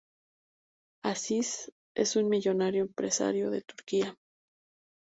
Aziz es un millonario empresario de Turquía.